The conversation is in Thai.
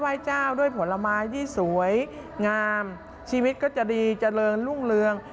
เจ้าด้วยผลไม้ที่สวยงามชีวิตก็จะดีเจริญรุ่งเรือง